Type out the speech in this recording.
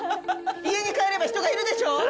家に帰れば人がいるでしょ。